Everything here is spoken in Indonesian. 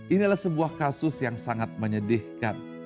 inilah sebuah kasus yang sangat menyedihkan